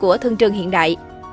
của thương trường hiện đại